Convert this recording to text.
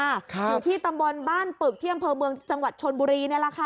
อยู่ที่ตำบลบ้านปลึกเที่ยงเพลิงเมืองจังหวัดชนบุรีเนี่ยล่ะค่ะ